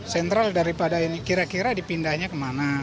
sentral daripada ini kira kira dipindahnya kemana